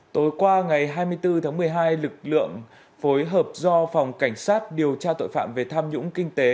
tối qua ngày hai mươi bốn tháng một mươi hai lực lượng phối hợp do phòng cảnh sát điều tra tội phạm về tham nhũng kinh tế